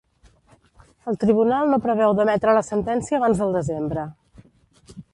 El Tribunal no preveu d’emetre la sentència abans del desembre.